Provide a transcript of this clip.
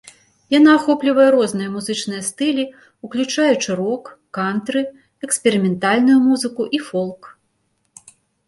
Яна ахоплівае розныя музычныя стылі, уключаючы рок, кантры, эксперыментальную музыку і фолк.